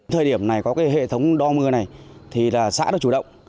thời điểm này có cái hệ thống đo mưa này thì là xã đã chủ động